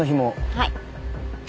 はい。